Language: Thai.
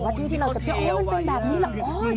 ว่าที่ที่เราจะเที่ยวมันเป็นแบบนี้หรือเปล่า